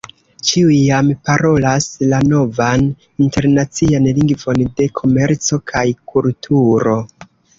Ĉiuj jam parolas la novan internacian lingvon de komerco kaj kulturo!